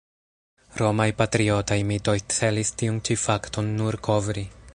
Romaj patriotaj mitoj celis tiun ĉi fakton nur kovri.